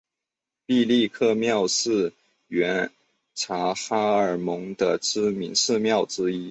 毕力克庙是原察哈尔盟的知名寺庙之一。